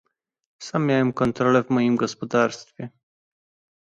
Sam miałem kontrolę w moim gospodarstwie